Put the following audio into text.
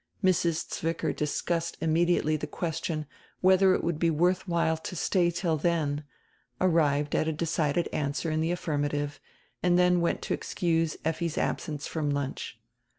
Mrs, Zwicker discussed immediately die question, whether it would be wordi while to stay till then, arrived at a de cided answer in die affirmative, and dien went to excuse Effi's absence from lunch.